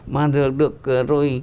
mà được rồi